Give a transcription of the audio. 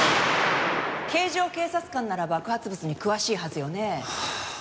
警乗警察官なら爆発物に詳しいはずよね。